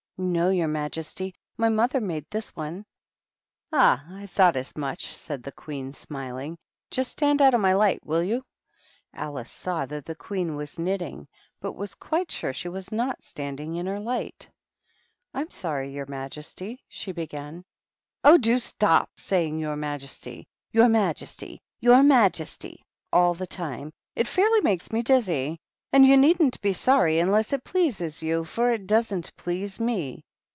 "No, your majesty; my mother made this one." 11 122 THE BED QUEEN AND THE DUCHESS. "Ah, I thought as much," said the Queen, smiling. "Just stand out of my light, will you r Alice saw that the Queen was knitting, but was quite sure she was not standing in her light. " I'm sorry, your majesty " she began. "Oh, do stop saying *your majesty,' *your majesty,' *your majesty' all the time; it fairly makes me dizzy. And you needn't be sorry unless it pleases you, for it doesn't please me.